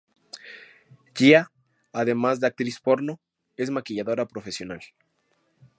Gia además de actriz porno es maquilladora profesional.